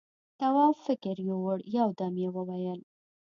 تواب فکر يووړ، يو دم يې وويل: